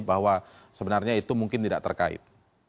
bahwa sebenarnya itu mungkin tidak terkait